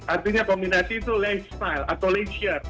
artinya kombinasi itu lifestyle atau leisure